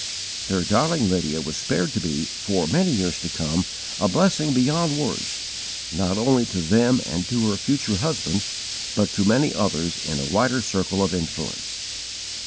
Their darling Lydia was spared to be, for many years to come, a blessing beyond words, not only to them and to her future husband, but to many others in a wider circle of influence.